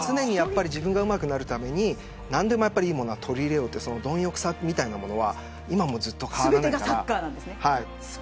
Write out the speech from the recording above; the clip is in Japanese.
自分がうまくなるために何でもいいものは取り入れようという貪欲さみたいなものは今もずっと変わらないから。